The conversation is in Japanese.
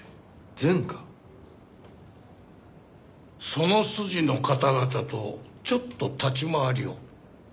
その筋の方々とちょっと立ち回りを。